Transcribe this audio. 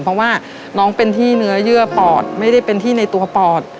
เพราะว่าน้องเป็นที่เนื้อเยื่อปอดไม่ได้เป็นที่ในตัวปอด